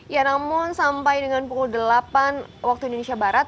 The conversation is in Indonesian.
ya namun sampai dengan pukul delapan waktu indonesia barat